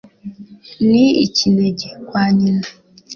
ni ikinege kwa nyina